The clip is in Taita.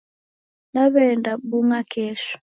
Naw'enda bung'a kesho.